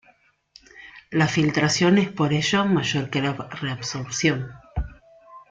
La filtración, es por ello, mayor que la reabsorción.